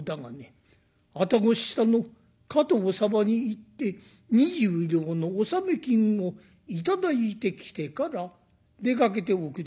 愛宕下の加藤様に行って２０両の納め金を頂いてきてから出かけておくれよ」。